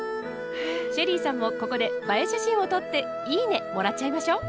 ＳＨＥＬＬＹさんもここで映え写真を撮って「いいね」もらっちゃいましょう。